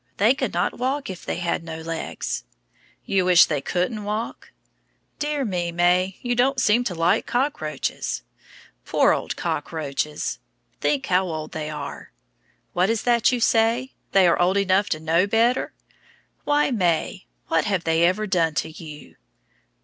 They could not walk if they had no legs. You wish they couldn't walk? Dear me, May; you don't seem to like cockroaches. Poor old cockroaches. Think how old they are. What is that you say? They are old enough to know better? Why, May, what have they ever done to you?